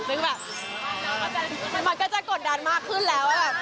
ซึ่งแบบมันก็จะกดดันมากขึ้นแล้วแบบ